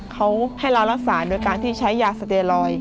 เขาให้เรารักษาโดยการที่ใช้ยาสเตรอย